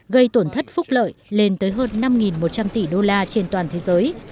gây tổn thất phúc lợi lên tới hơn năm một trăm linh tỷ đô la trên toàn thế giới